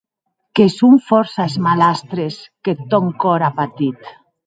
Que son fòrça es malastres qu’eth tòn còr a patit.